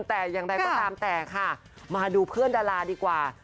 แต่อย่างไรก็ตามแต่ค่ะมาดูเพื่อนดาราดีกว่า